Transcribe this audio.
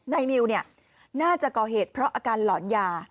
นายมิวน่าจะก่อเหตุเพราะอาการหลอนยา